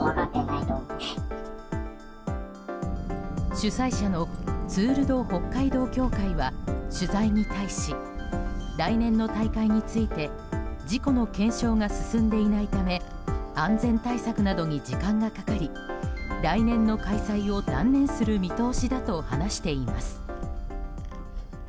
主催者のツール・ド・北海道協会は取材に対し、来年の大会について事故の検証が進んでいないため安全対策などに時間がかかり来年の開催を断念する見通しだと話しています。